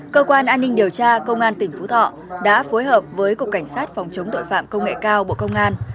cơ quan an ninh điều tra công an tỉnh phú thọ đã phối hợp với cục cảnh sát phòng chống tội phạm công nghệ cao bộ công an